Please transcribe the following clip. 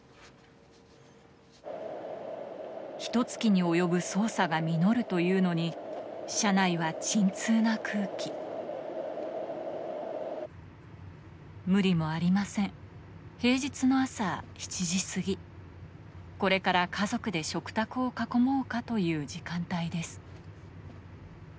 ひと月に及ぶ捜査が実るというのに車内は沈痛な空気無理もありません平日の朝７時すぎこれから家族で食卓を囲もうかという時間帯です